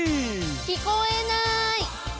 聞こえない！